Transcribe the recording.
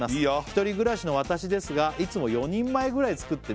「１人暮らしの私ですがいつも４人前ぐらい作って」